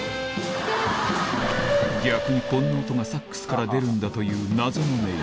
逆にこんな音がサックスから出るんだという謎の音色